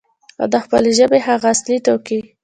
او د خپلې ژبې هغه اصلي توکي،